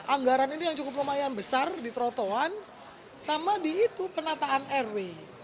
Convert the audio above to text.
anggaran ini yang cukup lumayan besar di trotoan sama di itu penataan rw